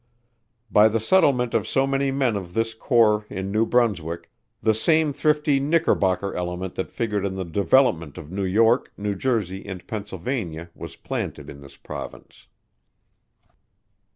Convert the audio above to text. By the settlement of so many men of this corps in New Brunswick, the same thrifty "Knickerbocker" element that figured in the development of New York, New Jersey and Pennsylvania was planted in this province.